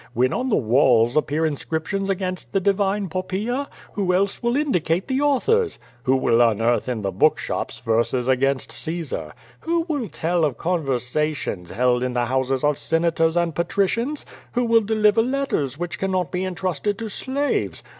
When on the walls ap QUO VADJS. Ill pear inscriptions against the divine Poppaea, who else will indicate the authors? "Who will unearth in the bookshops verses against Caesar? Who will tell of conversations held in the houses of Senators and Patricians? Who will deliver letters which cannot be entrusted to slaves?